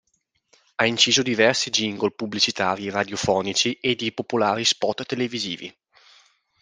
Ha inciso diversi jingle pubblicitari radiofonici e di popolari spot televisivi.